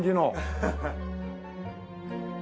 ハハハ。